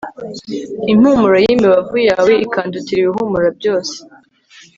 impumuro y'imibavu yawe ikandutira ibihumura byose!